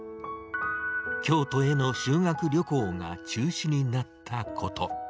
京都への修学旅行が中止になったこと。